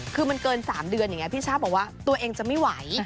คือมันเกิน๓เดือนอย่างนี้พี่ช่าบอกว่าตัวเองจะไม่ไหว